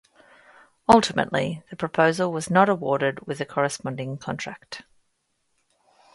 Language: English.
Ultimately, the proposal was not awarded with a corresponding contract.